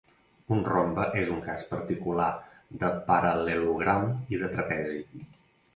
Un rombe és un cas particular de paral·lelogram i de trapezi.